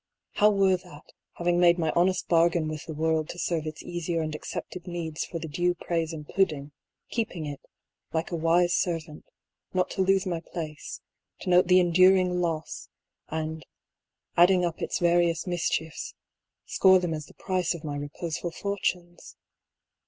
How were that, having made my honest bargain with the world to serve its easier and accepted needs for the due praise and pudding, keeping it, like a wise servant, not to lose my place, to note the enduring loss, and, adding up its various mischiefs, score them as the price of my reposeful fortunes?